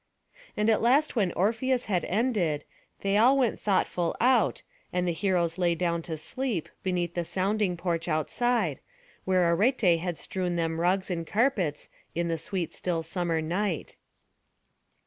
And at last when Orpheus had ended, they all went thoughtful out, and the heroes lay down to sleep, beneath the sounding porch outside, where Arete had strewn them rugs and carpets, in the sweet still summer night.